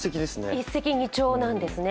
一石二鳥なんですね。